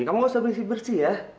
kamu gak usah bersih bersih ya